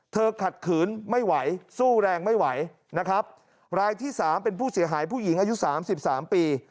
ขัดขืนไม่ไหวสู้แรงไม่ไหวนะครับรายที่สามเป็นผู้เสียหายผู้หญิงอายุสามสิบสามปี